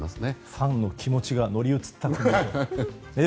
ファンの気持ちが乗り移ったようで。